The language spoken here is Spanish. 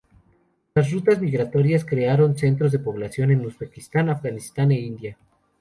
Las rutas migratorias crearon centros de población en Uzbekistán, Afganistán e India.